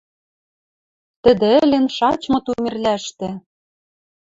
Тӹдӹ ӹлен шачмы Тумерлӓштӹ